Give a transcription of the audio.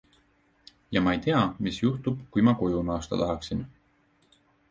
Ja ma ei tea, mis juhtub, kui ma koju naasta tahaksin.